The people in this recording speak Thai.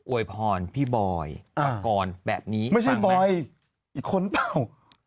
โอยพรพี่บอยก่อนแบบนี้ไม่ใช่บอยอีกคนหรือป่าว